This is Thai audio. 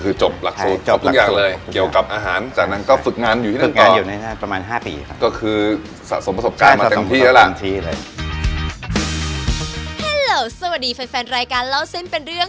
คือจบหลักสู้สะพานเลย